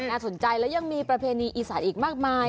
น่าสนใจและยังมีประเพณีอีสานอีกมากมาย